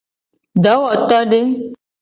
Dowotode.